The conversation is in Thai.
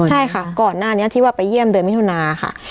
ใช่ค่ะก่อนหน้านี้ที่ว่าไปเยี่ยมเดือนมิถุนาค่ะ